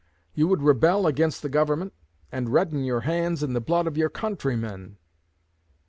You would rebel against the Government, and redden your hands in the blood of your countrymen.